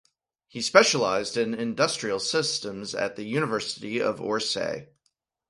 He specialized in industrial systems at the University of Orsay.